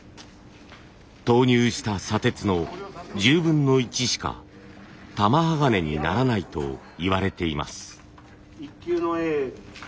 投入した砂鉄の１０分の１しか玉鋼にならないといわれています。